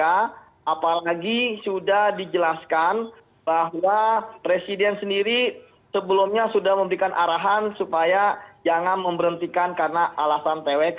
apalagi sudah dijelaskan bahwa presiden sendiri sebelumnya sudah memberikan arahan supaya jangan memberhentikan karena alasan twk